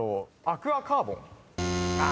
「アクアカーボン」